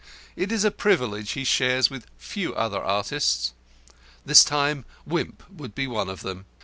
It is a privilege he shares with few other artists. This time Wimp would be one of them.